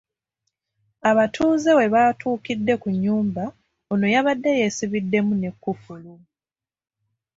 Abatuuze we batuukidde ku nnyumba ono yabadde yeesibiddemu ne kkufulu.